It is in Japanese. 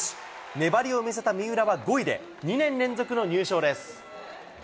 粘りを見せた三浦は５位で、２年連続の入賞です。